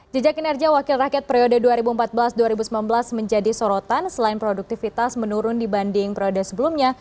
jejak kinerja wakil rakyat periode dua ribu empat belas dua ribu sembilan belas menjadi sorotan selain produktivitas menurun dibanding periode sebelumnya